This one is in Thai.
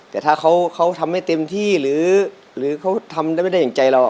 แต่ถ้าเขาทำให้เต็มที่หรือเขาทำได้ไม่ได้อย่างใจเรา